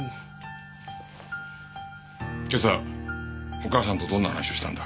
今朝お母さんとどんな話をしたんだ？